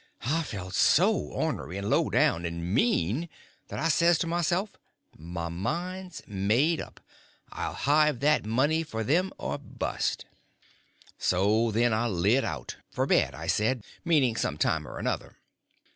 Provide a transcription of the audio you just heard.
I felt so ornery and low down and mean that I says to myself, my mind's made up; I'll hive that money for them or bust. So then I lit out—for bed, I said, meaning some time or another.